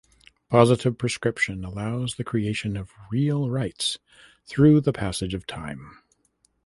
Positive prescription allows the creation of real rights through the passage of time.